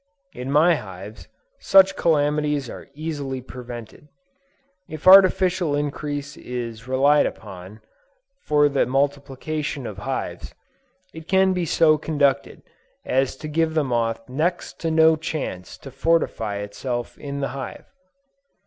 In my hives, such calamities are easily prevented. If artificial increase is relied upon for the multiplication of colonies, it can be so conducted as to give the moth next to no chance to fortify itself in the hive.